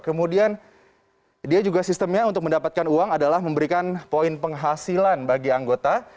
kemudian dia juga sistemnya untuk mendapatkan uang adalah memberikan poin penghasilan bagi anggota